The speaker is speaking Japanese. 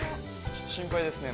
◆ちょっと心配ですね。